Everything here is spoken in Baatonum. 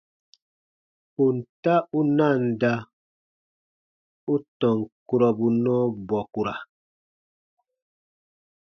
Ponta u nanda u tɔn kurɔbu nɔɔ bɔkura.